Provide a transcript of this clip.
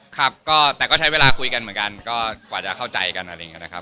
ครับก็แต่ก็ใช้เวลาคุยกันเหมือนกันก็กว่าจะเข้าใจกันอะไรอย่างนี้นะครับ